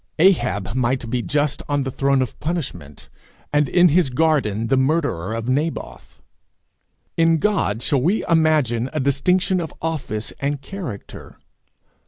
Ahab might be just on the throne of punishment, and in his garden the murderer of Naboth. In God shall we imagine a distinction of office and character?